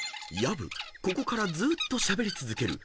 ここからずーっとしゃべり続ける］